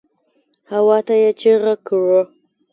هواته يې چيغه کړه.